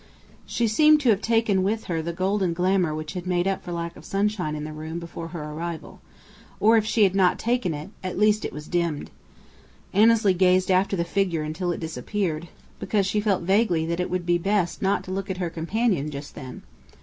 She seemed to have taken with her the golden glamour which had made up for lack of sunshine in the room before her arrival; or if she had not taken it, at least it was dimmed. Annesley gazed after the figure until it disappeared, because she felt vaguely that it would be best not to look at her companion just then.